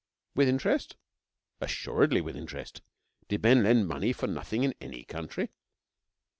With interest? Assuredly with interest.. Did men lend money for nothing in any country?